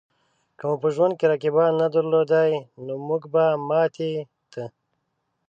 که مو په ژوند کې رقیبان نه درلودای؛ نو مونږ به ماتې ته